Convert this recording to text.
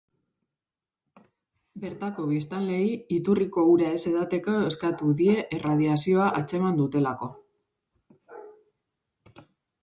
Bertako biztanleei iturrikol ura ez edateko eskatu die erradiazioa atzeman dutelako.